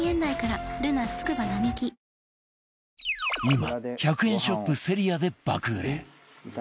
今１００円ショップセリアで爆売れ